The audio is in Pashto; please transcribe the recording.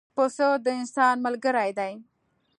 پسه د انسان ملګری دی.